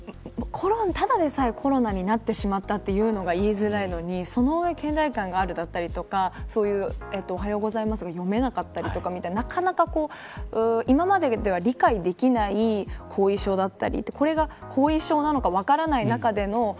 ただでさえコロナになってしまったというのが言いづらいのにその上倦怠感があるだったりとかおはようございますが読めなかったりとかみたいななかなか今まででは理解できない後遺症だったりってこれが後遺症なのか分からない中での。